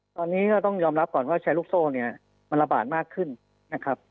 ตอนนี้ก็ต้องยอมรับก่อนว่าแชร์ลูกโซ่เนี่ยมันระบาดมากขึ้นนะครับ